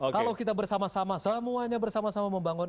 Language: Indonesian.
kalau kita bersama sama semuanya bersama sama membangun